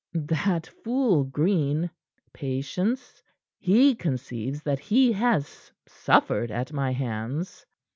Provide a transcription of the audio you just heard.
That fool Green patience he conceives that he has suffered at my hands.